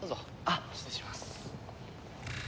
あっ失礼します。